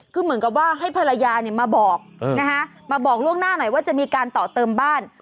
คือเหมือนกับว่าให้ภรรยาเนี่ยมาบอกนะฮะมาบอกล่วงหน้าหน่อยว่าจะมีการต่อเติมบ้าน